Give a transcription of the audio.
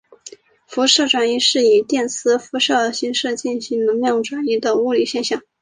辐射转移是以电磁辐射形式进行能量转移的物理现象。